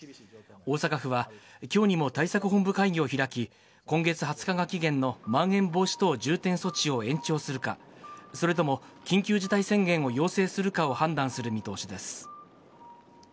大阪府はきょうにも対策本部会議を開き、今月２０日が期限のまん延防止等重点措置を延長するか、それとも緊急事態宣言を要請するかを判断する見通しです。